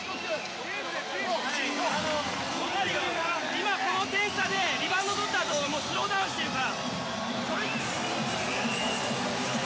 今、この点差でリバウンドをとったあとスローダウンしてるから。